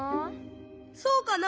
そうかな？